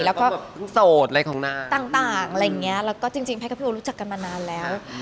แล้วก็ต่างอะไรอย่างนี้แล้วก็จริงแพทย์กับพี่โอ๊ตรู้จักกันมานานแล้ว